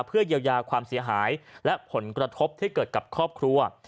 เพื่อเยียวยาความเสียหายและผลกระทบที่เกิดกับครอบครัว